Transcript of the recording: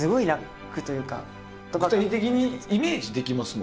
具体的にイメージできますもんね。